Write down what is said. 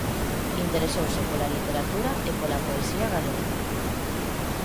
Interesouse pola literatura e pola poesía galega.